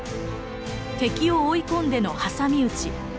敵を追い込んでの挟み撃ち。